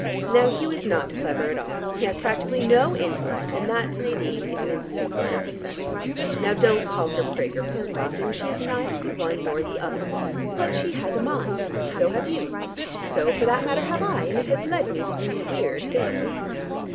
Now Hugh is not clever at all; he has practically no intellect and that to Nadine is an insuperable defect. Now don't call her prig or blue stocking. She is neither the one nor the other. But she has a mind. So have you. So for that matter have I, and it has led me to do weird things."